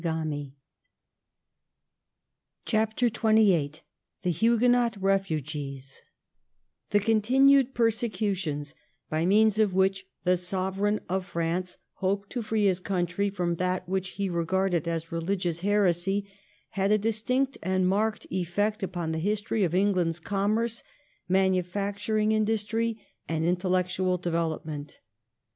149 CHAPTEK XXVni THE HUGUENOT REFUGEES The continued persecutions by means of which the Sovereign of France hoped to free his country from that which he regarded as rehgious heresy had a distinct and marked effect upon the history of England's commerce, manufacturing industry, and intellectual development.